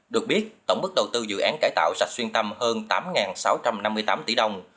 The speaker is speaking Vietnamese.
được biết tổng bức đầu tư dự án cải tạo rạch xuyên tâm hơn tám sáu trăm năm mươi tám tỷ đồng